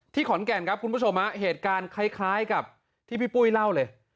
ขอนแก่นครับคุณผู้ชมฮะเหตุการณ์คล้ายกับที่พี่ปุ้ยเล่าเลย